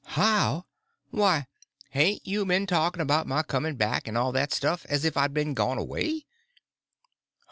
"How? Why, hain't you been talking about my coming back, and all that stuff, as if I'd been gone away?"